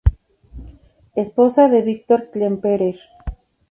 Esposa de Victor Klemperer.